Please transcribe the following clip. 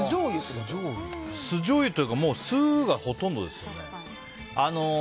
酢じょうゆっていうか酢がほとんどですよね。